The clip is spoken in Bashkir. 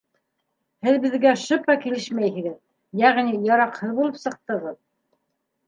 Һеҙ беҙгә шыпа килешмәйһегеҙ, йәғни яраҡһыҙ булып сыҡтығыҙ.